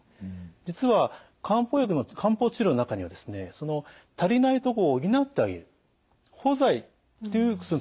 実は漢方治療の中にはですね足りないところを補ってあげる補剤という薬の使い方があるんです。